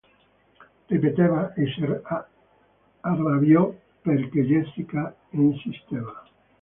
Ripeteva, – e si arrabbiò perché Jessica insisteva.